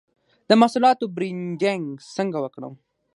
د محصولاتو برنډینګ څنګه وکړم؟